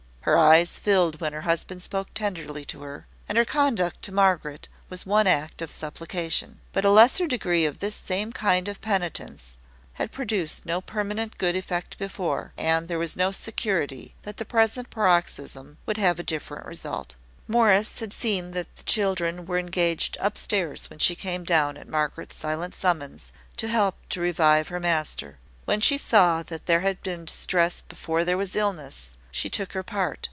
Her eyes filled when her husband spoke tenderly to her, and her conduct to Margaret was one act of supplication. But a lesser degree of this same kind of penitence had produced no permanent good effect before; and there was no security that the present paroxysm would have a different result. Morris had seen that the children were engaged up stairs when she came down at Margaret's silent summons, to help to revive her master. When she saw that there had been distress before there was illness, she took her part.